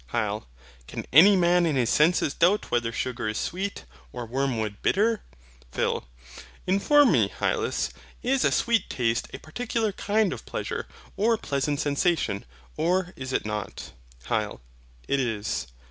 HYL. Can any man in his senses doubt whether sugar is sweet, or wormwood bitter? PHIL. Inform me, Hylas. Is a sweet taste a particular kind of pleasure or pleasant sensation, or is it not? HYL. It is.